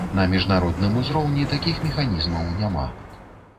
На міжнародным узроўні такіх механізмаў няма.